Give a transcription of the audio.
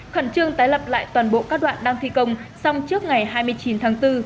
khẩn trương tái lập lại toàn bộ các đoạn đang thi công xong trước ngày hai mươi chín tháng bốn